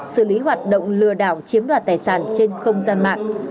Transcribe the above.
xử lý hoạt động lừa đảo chiếm đoạt tài sản trên không gian mạng